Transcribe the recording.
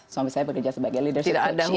suami saya bekerja sebagai leadership